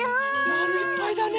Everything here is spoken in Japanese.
まるいっぱいだね。